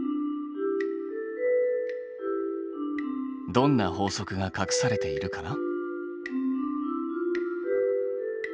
どんな法則がかくされているかな？